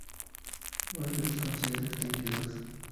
Hoy se les considera extinguidos.